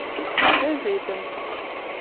тӹ жепӹн